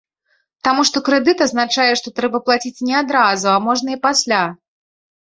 Таму што крэдыт азначае, што трэба плаціць не адразу, а можна і пасля.